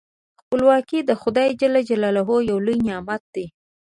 خپلواکي د خدای جل جلاله یو لوی نعمت دی.